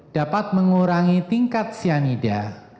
dapat mengurangi tingkat cyanida